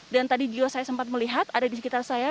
dan tadi juga saya sempat melihat ada di sekitar saya